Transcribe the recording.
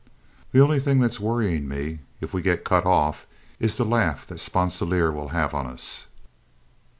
The only thing that's worrying me, if we get cut off, is the laugh that Sponsilier will have on us."